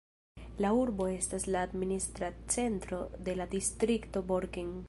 La urbo estas la administra centro de la distrikto Borken.